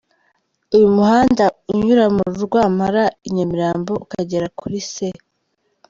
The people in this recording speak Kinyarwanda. Uyu muhanda unyura mu Rwampara i Nyamirambo ukagera kuri C.